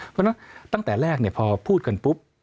เพราะฉะนั้นตั้งแต่แรกพอพูดกันปุ๊บ